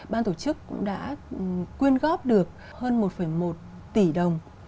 ban tổ chức cũng đã quyên góp được hơn một một tỷ đồng